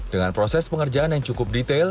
dengan proses pengerjaan yang cukup detail